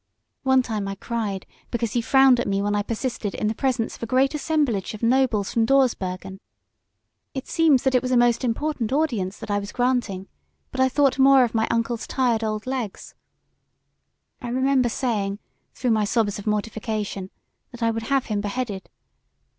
One time I cried because he frowned at me when I persisted in the presence of a great assemblage of nobles from Dawsbergen. It seems that it was a most important audience that I was granting, but I thought more of my uncle's tired old legs. I remember saying, through my sobs of mortification, that I would have him beheaded.